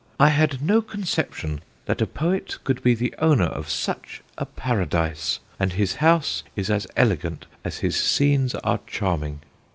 "I had no conception that a poet could be the owner of such a paradise, and his house is as elegant as his scenes are charming."